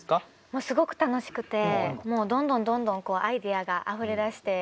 もうすごく楽しくてもうどんどんどんどんアイデアがあふれ出して。